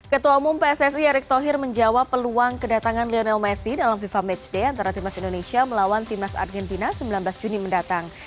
ketua umum pssi erick thohir menjawab peluang kedatangan lionel messi dalam fifa matchday antara timnas indonesia melawan timnas argentina sembilan belas juni mendatang